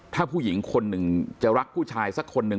ถ้าผู้หญิงคนหนึ่งจะรักผู้ชายสักคนหนึ่ง